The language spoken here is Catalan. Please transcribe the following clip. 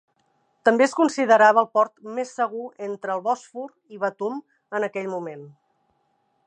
També es considerava el port "més segur entre el Bòsfor i Batum" en aquell moment.